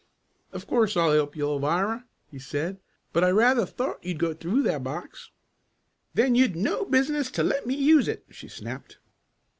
"Of course I'll help you, Alvirah," he said. "I rather thought you'd go through that box." "Then you'd no business to let me use it!" she snapped.